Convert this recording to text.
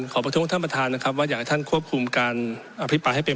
ประท้วงท่านประธานนะครับว่าอยากให้ท่านควบคุมการอภิปรายให้เป็น